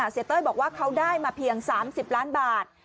เต้ยบอกว่าเขาได้มาเพียง๓๐ล้านบาท